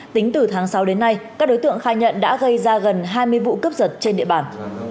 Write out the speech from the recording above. tính từ tháng sáu đến nay các đối tượng khai nhận đã gây ra gần hai mươi vụ cướp giật trên địa bàn